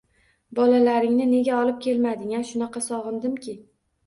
Bolalaringni nega olib kelmading-a? Shunaqa sog‘indimki